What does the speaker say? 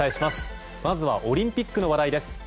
まずはオリンピックの話題です。